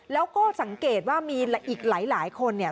แล้วก็สังเกตว่ามีอีกหลายคนเนี่ย